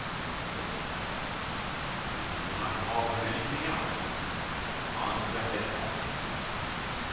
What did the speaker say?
The woman said, "And we cannot call him anything else but Hans the Hedgehog."